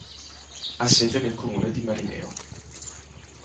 Ha sede nel comune di Marineo.